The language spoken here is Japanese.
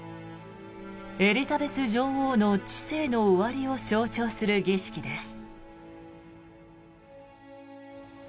エリザベス女王の治世の終わりを象徴する儀式です。